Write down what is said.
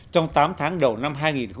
trong tám tháng đầu năm hai nghìn một mươi sáu